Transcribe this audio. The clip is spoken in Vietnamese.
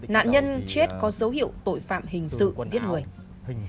nạn nhân chết có dấu hiệu tội phạm hình sự giết người